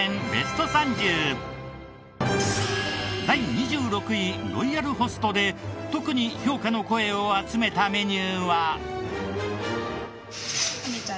第２６位ロイヤルホストで特に評価の声を集めたメニューは？